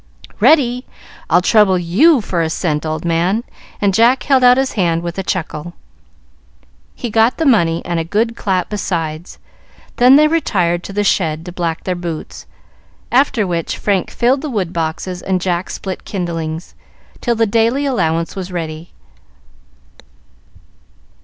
"Ready! I'll trouble you for a cent, old man;" and Jack held out his hand, with a chuckle. He got the money and a good clap beside; then they retired to the shed to black their boots, after which Frank filled the woodboxes and Jack split kindlings, till the daily allowance was ready.